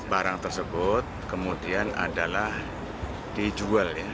barang tersebut kemudian adalah dijual ya